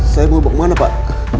saya mau ke mana pak